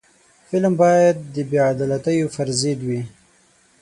فلم باید د بې عدالتیو پر ضد وي